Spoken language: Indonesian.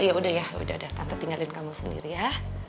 oh ya udah ya ya udah tante tinggalin kamu sendiri ya